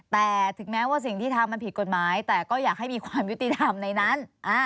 แต่ถึงแม้ว่าสิ่งที่ทำมันผิดกฎหมายแต่ก็อยากให้มีความยุติธรรมในนั้น